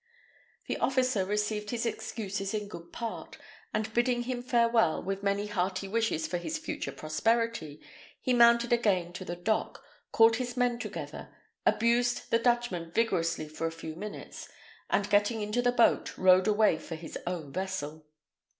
The officer received his excuses in good part, and bidding him farewell with many hearty wishes for his future prosperity, he mounted again to the deck, called his men together, abused the Dutchman vigorously for a few minutes, and getting into the boat, rowed away for his own vessel.